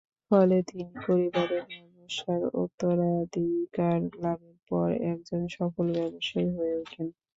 ফলে তিনি পরিবারের ব্যবসার উত্তরাধিকার লাভের পর একজন সফল ব্যবসায়ী হয়ে ওঠেন।